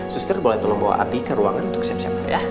suster boleh tolong bawa api ke ruangan untuk siap siap ya